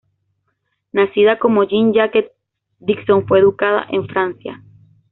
Nacida como Jean Jacques, Dixon fue educada en Francia.